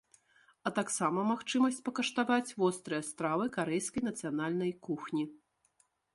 А таксама магчымасць пакаштаваць вострыя стравы карэйскай нацыянальнай кухні.